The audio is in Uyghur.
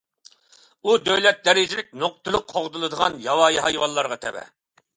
ئۇ دۆلەت دەرىجىلىك نۇقتىلىق قوغدىلىدىغان ياۋايى ھايۋانلارغا تەۋە.